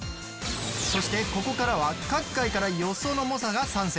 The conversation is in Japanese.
そしてここからは各界から予想の猛者が参戦。